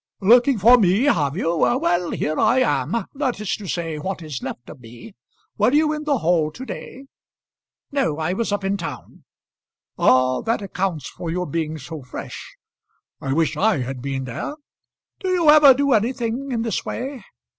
"Looking for me, have you? Well, here I am; that is to say, what is left of me. Were you in the hall to day?" "No; I was up in town." "Ah! that accounts for your being so fresh. I wish I had been there. Do you ever do anything in this way?"